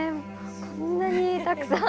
こんなにたくさん。